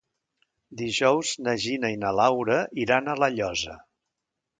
Dijous na Gina i na Laura iran a La Llosa.